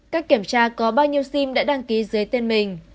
cách kiểm tra có bao nhiêu sim đã đăng ký dưới tên mình